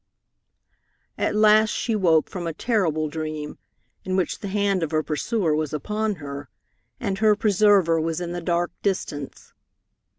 At last she woke from a terrible dream, in which the hand of her pursuer was upon her, and her preserver was in the dark distance.